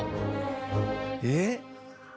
えっ？